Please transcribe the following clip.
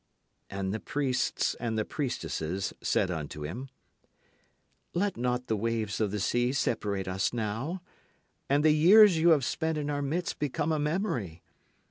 And the priests and the priestesses said unto him: Let not the waves of the sea separate us now, and the years you have spent in our midst become a memory.